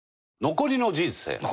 残りの人生。